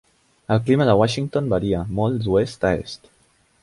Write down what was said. El clima de Washington varia molt d'oest a est.